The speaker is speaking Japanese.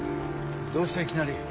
どうしたいきなり。